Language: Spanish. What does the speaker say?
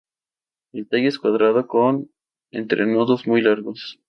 El tallo es cuadrado con entrenudos muy largos.